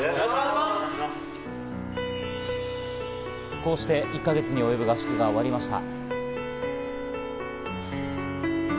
こうして１か月に及ぶ合宿が終わりました。